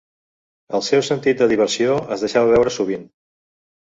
El seu sentit de diversió es deixava veure sovint.